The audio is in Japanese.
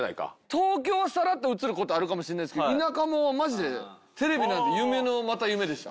東京はさらっと映ることあるかもしれないですけど田舎者はマジでテレビなんて夢のまた夢でした。